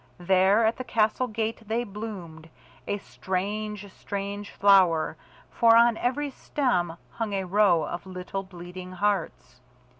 There at the castle gate they bloomed, a strange, strange flower, for on every stem hung a row of little bleeding hearts.